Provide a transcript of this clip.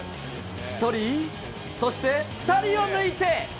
１人、そして２人を抜いて！